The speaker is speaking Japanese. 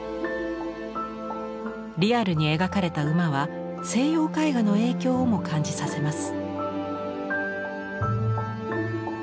リアルに描かれた馬は西洋絵画の影響をも感じさせます。